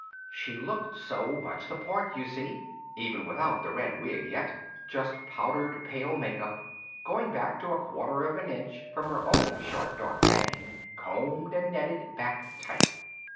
She looked so much the part, you see even without the red wig yet, just powdered pale makeup going back to a quarter of an inch from her own short dark bang combed and netted back tight.